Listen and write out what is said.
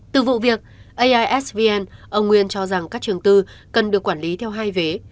từ vụ việc aisvn ông nguyên cho rằng các trường tư cần được quản lý theo hai vé